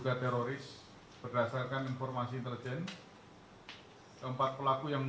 karena diindikasikan beberapa sel sel tidur sudah mulai bangkit